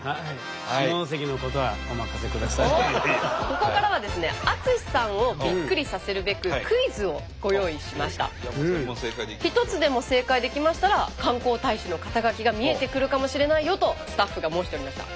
ここからはですね淳さんをビックリさせるべく１つでも正解できましたら観光大使の肩書が見えてくるかもしれないよとスタッフが申しておりました。